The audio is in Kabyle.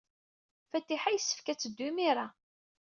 Fatiḥa yessefk ad teddu imir-a.